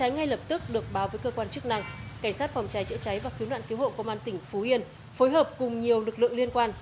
nạn cứu hộ công an tỉnh phú yên phối hợp cùng nhiều lực lượng liên quan